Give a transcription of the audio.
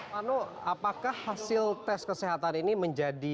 manu apakah hasil tes kesehatan ini menjadikan